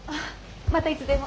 またいつでも。